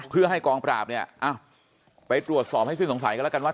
เพื่อให้กองปราบเนี่ยไปตรวจสอบให้สิ้นสงสัยกันแล้วกันว่า